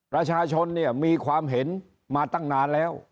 ประชาชนเนี่ยมีความเห็นมาตั้งนานแล้ว